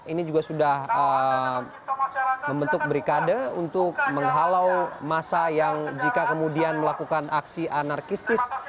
ini juga sudah membentuk brikade untuk menghalau masa yang jika kemudian melakukan aksi anarkistis